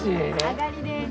上がりです。